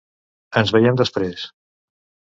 Ens veiem després.